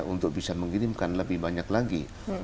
untuk bisa mengirimkan lebih banyak lagi